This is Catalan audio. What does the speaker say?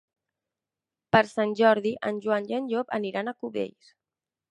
Per Sant Jordi en Joan i en Llop aniran a Cubells.